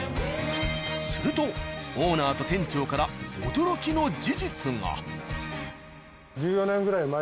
するとオーナーと店長から驚きの事実が。